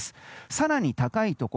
更に高いところ